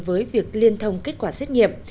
với việc liên thông kết quả xét nghiệm